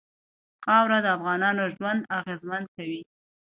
خاوره د افغانانو ژوند اغېزمن کوي.